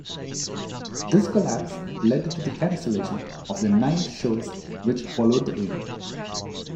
This collapse led to the cancellation of the nine shows which followed the event.